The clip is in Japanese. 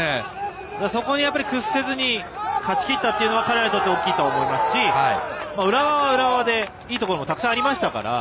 そこに屈せずに勝ちきったのは彼らにとって大きいと思いますし浦和は浦和で、いいところもたくさんありましたから。